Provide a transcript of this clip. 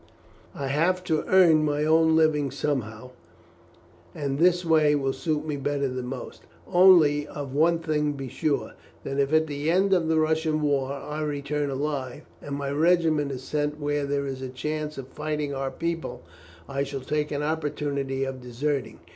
"I have to earn my own living somehow, and this way will suit me better than most. Only, of one thing be sure, that if at the end of the Russian war I return alive, and my regiment is sent where there is a chance of fighting our people, I shall take an opportunity of deserting.